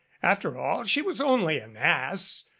After all, she was only an ass